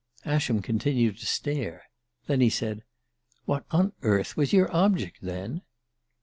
Ascham continued to stare; then he said: "What on earth was your object, then?"